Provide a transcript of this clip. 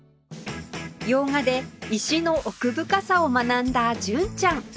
用賀で石の奥深さを学んだ純ちゃん